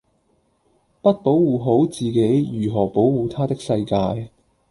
不保護好自己如何保護她的世界